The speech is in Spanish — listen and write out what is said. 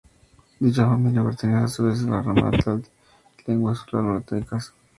Dicha familia pertenece a su vez a la rama altaica de las lenguas uralo-altaicas.